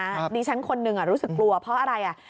อันนี้ฉันคนหนึ่งรู้สึกกลัวเพราะอะไร